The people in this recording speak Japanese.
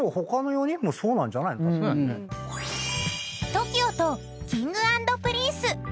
［ＴＯＫＩＯとＫｉｎｇ＆Ｐｒｉｎｃｅ］